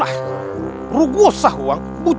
kalau saya mau saya mau